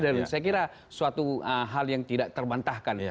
saya kira suatu hal yang tidak terbantahkan